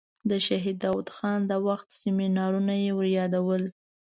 د شهید داود خان د وخت سیمینارونه یې وریادول.